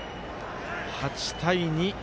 ８対２。